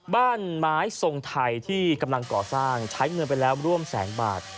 บ้านไม้ทรงไทยที่กำลังก่อสร้างใช้เงินไปแล้วร่วมแสนบาท